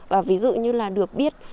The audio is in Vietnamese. và ví dụ như là được biết